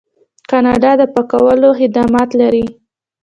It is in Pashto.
کاناډا د پاکولو خدمات لري.